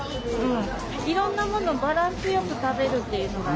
いろんなものバランスよく食べるっていうのが。